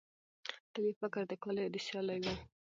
تل یې فکر د کالیو د سیالۍ وو